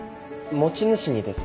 持ち主にです。